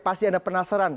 pasti ada penasaran